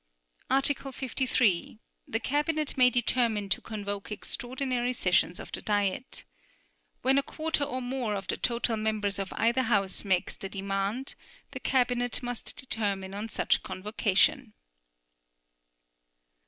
Article 53. The Cabinet may determine to convoke extraordinary sessions of the Diet. When a quarter or more of the total members of either house makes the demand, the Cabinet must determine on such convocation.